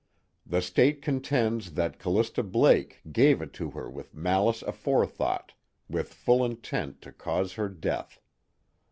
The State contends that Callista Blake gave it to her with malice aforethought, with full intent to cause her death.